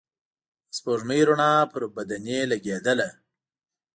د سپوږمۍ رڼا پر بدنې لګېدله.